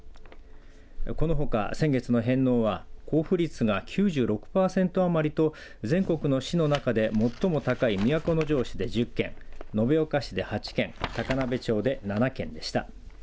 このほか、先月の返納は交付率が９６パーセント余りと全国の市の中で最も高い都城市で１０件延岡市で８件高鍋町で７件でした。